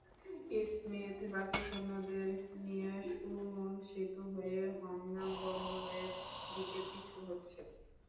Smith বাকি সৈন্যদের নিয়ে সুমুন সেতু হয়ে হাংনাম বন্দরের দিকে পিছু হটছে।